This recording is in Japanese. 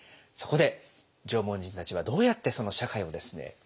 そこで縄文人たちはどうやってその社会をですね